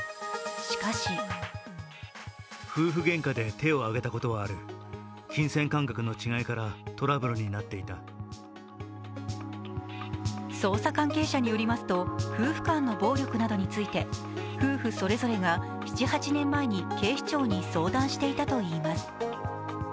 しかし捜査関係者によりますと、夫婦間の暴力などについて、夫婦それぞれが７８年前に警視庁に相談していたといいます。